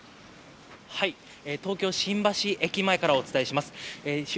東京・新橋駅前からお伝えします。